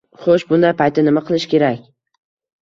Xo‘sh, bunday paytda nima qilish kerak?